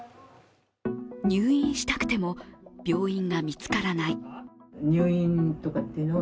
入院したくても病院が見つからない。